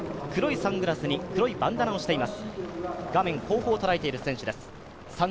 黒いサングラスに、黒いバンダナをしています。